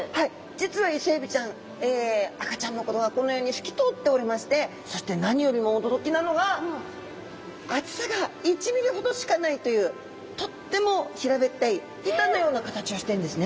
実はイセエビちゃん赤ちゃんの頃はこのように透き通っておりましてそして何よりも驚きなのがというとっても平べったい板のような形をしているんですね。